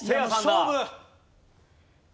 勝負！